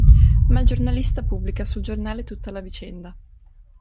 Ma il giornalista pubblica sul giornale tutta la vicenda.